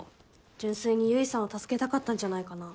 純粋に結衣さんを助けたかったんじゃないかな。